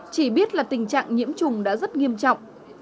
chỉ biết là tình trạng nhiễm trùng đã rất nghiêm trọng